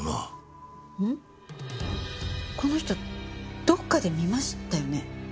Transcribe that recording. この人どこかで見ましたよね？